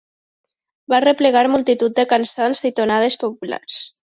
Va replegar multitud de cançons i tonades populars.